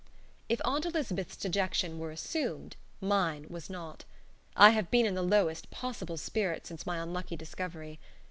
If Aunt Elizabeth's dejection were assumed, mine was not. I have been in the lowest possible spirits since my unlucky discovery.